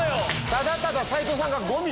ただただ斎藤さんが。